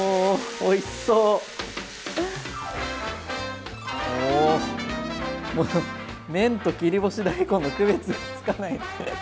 おおもう麺と切り干し大根の区別がつかない。